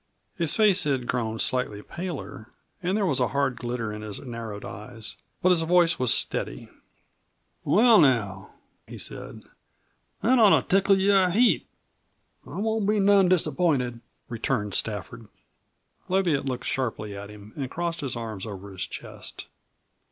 His face had grown slightly paler and there was a hard glitter in his narrowed eyes. But his voice was steady. "Well, now," he said, "that ought to tickle you a heap." "I won't be none disappointed," returned Stafford. Leviatt looked sharply at him and crossed his arms over his chest.